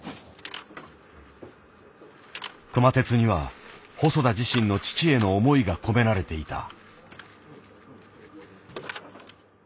熊徹には細田自身の父への思いが込められていた。